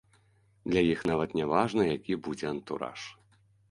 Для іх нават не важна, які будзе антураж.